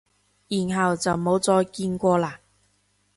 然後就冇再見過喇？